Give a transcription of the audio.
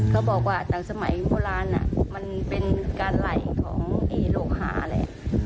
เขาบอกว่าตอนสมัยโนโลกราณน่ะมันเป็นการไหล่ของโลกฮาละ